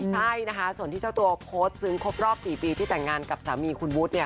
ใช่นะคะส่วนที่เจ้าตัวโพสต์ซึ้งครบรอบ๔ปีที่แต่งงานกับสามีคุณวุฒิเนี่ย